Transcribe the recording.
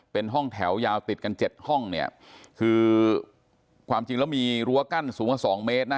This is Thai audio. เป็นห้องแถวยาวติดกันเจ็ดห้องเนี่ยคือความจริงแล้วมีรั้วกั้นสูงกว่าสองเมตรนะ